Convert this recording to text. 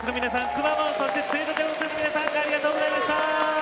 くまモンそして杖立温泉の皆さんありがとうございました！